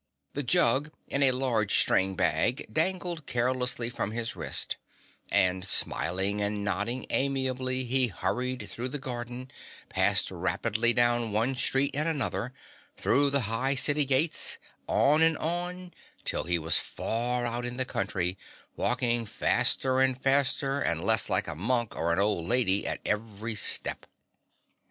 The jug in a large string bag dangled carelessly from his wrist, and smiling and nodding amiably he hurried through the garden, passed rapidly down one street and another, through the high city gates, on and on, till he was far out in the country walking faster and faster and less like a monk or an old lady at every step.